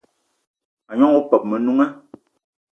A gnong opeup o Menunga